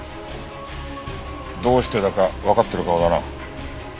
どうしてだかわかってる顔だな。